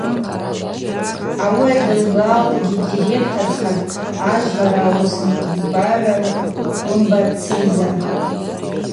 Ауи адылгалтӏ йгьи дадиректорахтӏ ажвлара уыснкъвгагӏв Гвымба Циза.